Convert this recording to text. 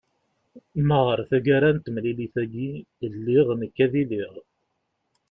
ma ɣer tagara n temlilit-agi lliɣ nekk ad iliɣ